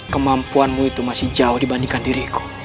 kemampuanmu itu masih jauh dibandingkan diriku